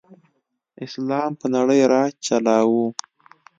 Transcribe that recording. اسلام په نړۍ راج چلاؤ.